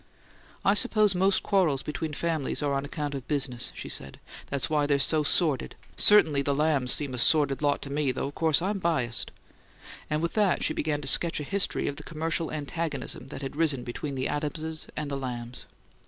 "I suppose most quarrels between families are on account of business," she said. "That's why they're so sordid. Certainly the Lambs seem a sordid lot to me, though of course I'm biased." And with that she began to sketch a history of the commercial antagonism that had risen between the Adamses and the Lambs.